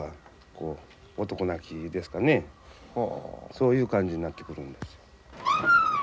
そういう感じになってくるんですよ。